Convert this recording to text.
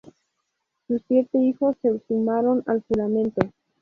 Sus siete hijos se sumaron al juramento.